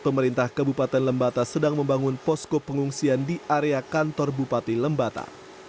pemerintah kabupaten lembata sedang membangun posko pengungsian di area kantor bupati lembata